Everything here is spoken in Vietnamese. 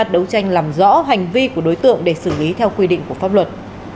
đấu tranh làm rõ hành vi của đối tượng để xử lý theo quy định của pháp luật